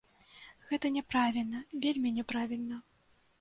Гэта няправільна, вельмі няправільна.